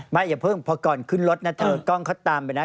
อย่าเพิ่งพอก่อนขึ้นรถนะเธอกล้องเขาตามไปนะ